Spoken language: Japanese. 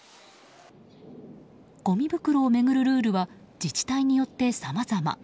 ごみ袋を巡るルールは自治体によってさまざま。